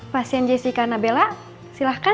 pasien jessica anabella silahkan